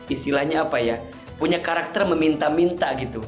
istilahnya apa ya punya karakter meminta minta gitu